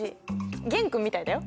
玄君みたいだよ。